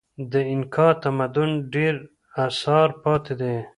د اینکا تمدن ډېر اثار پاتې دي.